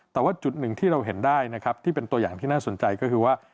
แต่ว่าจุดหนึ่งที่เราเห็นได้นะครับที่เป็นตัวอย่างที่น่าสนใจก็คือว่า